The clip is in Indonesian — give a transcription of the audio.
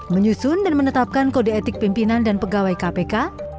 menyusun dan menetapkan kode etik pimpinan dan pegawai kpk